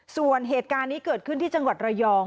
ส่วนเหตุการณ์นี้เกิดขึ้นที่จังหวัดระยอง